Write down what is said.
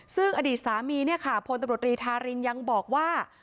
ซึ่งอดีตสามีเนี่ยค่ะพลตำรวจรีธารินยังบอกว่า